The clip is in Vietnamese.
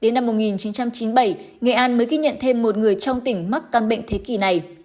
đến năm một nghìn chín trăm chín mươi bảy nghệ an mới ghi nhận thêm một người trong tỉnh mắc căn bệnh thế kỷ này